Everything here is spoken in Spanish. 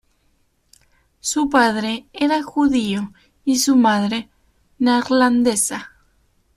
Su padre era judío y su madre neerlandesa.